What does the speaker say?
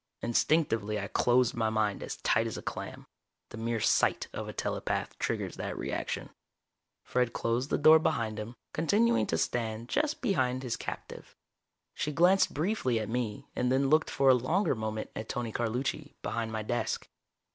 Instinctively I closed my mind as tight as a clam. The mere sight of a telepath triggers that reaction. Fred closed the door behind him, continuing to stand just behind his captive. She glanced briefly at me and then looked for a longer moment at Tony Carlucci, behind my desk.